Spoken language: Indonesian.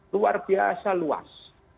luar biasa luas